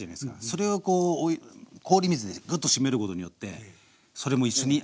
それを氷水でグッとしめることによってそれも一緒に味わえる。